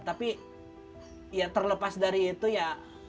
tapi ya terlepas dari itu ya